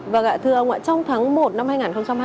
và thưa ông ạ trong tháng một năm